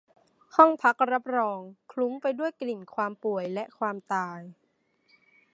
ห้องพักรับรองคลุ้งไปด้วยกลิ่นความป่วยและความตาย